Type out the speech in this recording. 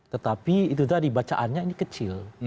tetapi itu tadi bacaannya ini kecil